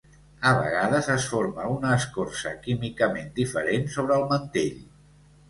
A vegades es forma una escorça químicament diferent sobre el mantell.